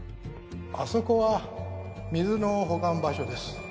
あそこは水の保管場所です